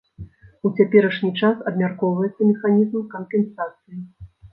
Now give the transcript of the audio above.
У цяперашні час абмяркоўваецца механізм кампенсацыі.